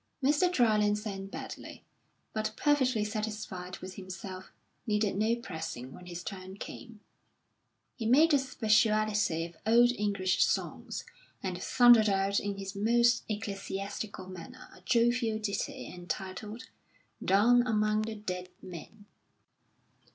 Mr. Dryland sang badly, but perfectly satisfied with himself, needed no pressing when his turn came. He made a speciality of old English songs, and thundered out in his most ecclesiastical manner a jovial ditty entitled, "Down Among the Dead Men."